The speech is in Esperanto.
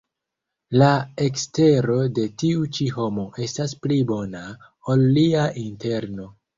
La ekstero de tiu ĉi homo estas pli bona, ol lia interno.